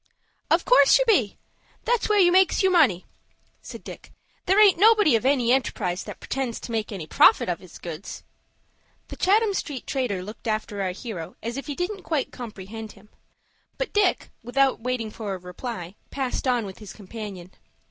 "Of course you be. That's where you makes your money," said Dick. "There aint nobody of any enterprise that pretends to make any profit on his goods." The Chatham Street trader looked after our hero as if he didn't quite comprehend him; but Dick, without waiting for a reply, passed on with his companion.